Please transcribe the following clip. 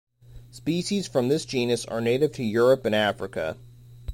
Species from this genus are native to Europe and Africa.